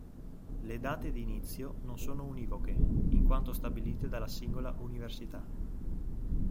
Le date di inizio non sono univoche, in quanto stabilite dalla singola università.